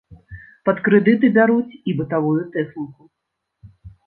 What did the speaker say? Пад крэдыты бяруць і бытавую тэхніку.